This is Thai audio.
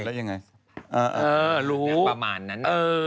แล้วยังไงเออเออรู้ประมาณนั้น